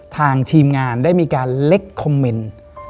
ทีมงานได้มีการเล็กคอมเมนต์